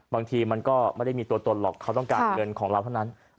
บางทีมันก็ไม่ได้มีตัวตนหรอกเขาต้องการเงินของเราเท่านั้น